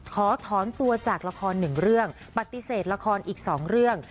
ขอถอนตัวจากละครหนึ่งเรื่องปฏิเสธละครอีก๒เรื่อง